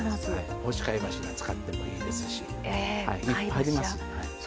干し貝柱使ってもいいですしいっぱいあります。